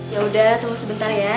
yaudah tunggu sebentar ya